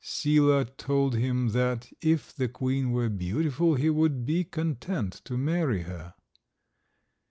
Sila told him that if the queen were beautiful he would be content to marry her.